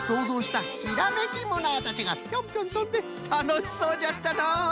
ひらめきムナーたちがピョンピョンとんでたのしそうじゃったのう！